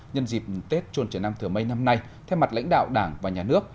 nhân dịp tết trôn trần nam thờ mây năm nay theo mặt lãnh đạo đảng và nhà nước